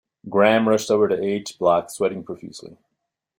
Graham rushed over to H block, sweating profusely.